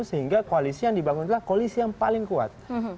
sehingga koalisi yang dibangun adalah koalisi yang paling kuat